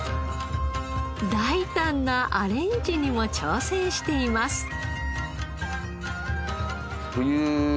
大胆なアレンジにも挑戦しています。